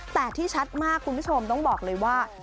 แต่ที่ชัดมากคุณผู้ชมต้องบอกเลยว่า